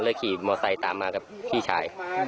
เลยขี่มอสไซตามมากับพี่ชาย